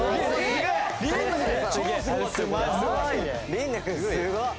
「琳寧君すごっ！」